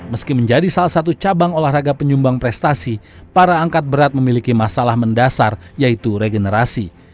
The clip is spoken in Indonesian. meski menjadi salah satu cabang olahraga penyumbang prestasi para angkat berat memiliki masalah mendasar yaitu regenerasi